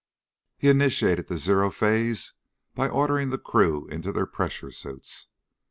_" He initiated the zero phase by ordering the crew into their pressure suits.